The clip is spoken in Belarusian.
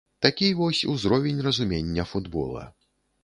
Такі вось узровень разумення футбола.